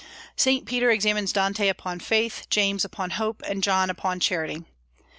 Saint Peter examines Dante upon faith, James upon hope, and John upon charity.